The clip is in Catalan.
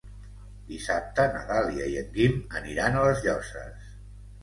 Dissabte na Dàlia i en Guim aniran a les Llosses.